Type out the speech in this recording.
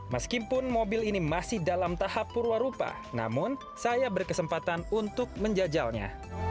meskipun mobil ini masih dalam tahap purwarupa namun saya berkesempatan untuk menjajalnya